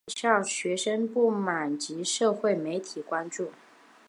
引起在校学生的不满及社会媒体关注。